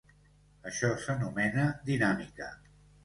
Això s'anomena dinàmica.